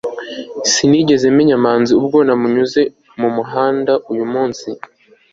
sinigeze menya manzi ubwo namunyuze mumuhanda uyumunsi